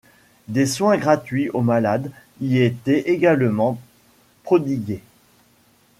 Des soins gratuits aux malades y étaient également prodigués.